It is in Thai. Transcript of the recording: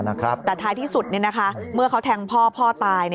แต่ท้ายที่สุดเมื่อเขาแทงพ่อพ่อตาย